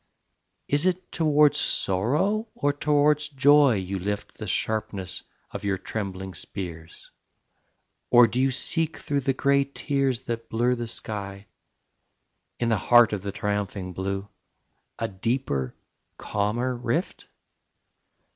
"Is it towards sorrow or towards joy you lift The sharpness of your trembling spears? Or do you seek, through the grey tears That blur the sky, in the heart of the triumphing blue, A deeper, calmer rift?"